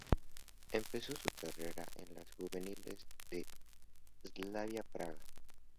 Empezó su carrera en las juveniles del Slavia Praga.